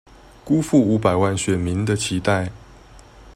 辜負五百萬選民的期待